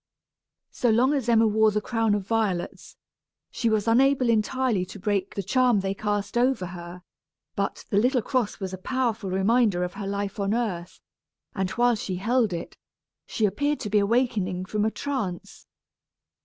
So long as Emma wore the crown of violets, she was unable entirely to break the charm they cast over her. But the little cross was a powerful reminder of her life on earth; and while she held it, she appeared to be awakening from a trance.